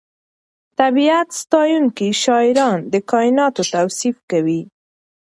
طبیعت ستایونکي شاعران د کائناتو توصیف کوي.